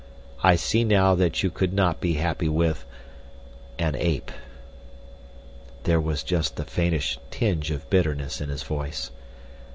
I see now that you could not be happy with—an ape." There was just the faintest tinge of bitterness in his voice.